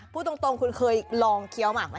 พูดตรงคุณเคยลองเคี้ยวหมากไหม